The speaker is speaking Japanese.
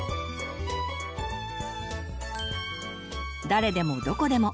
「誰でもどこでも」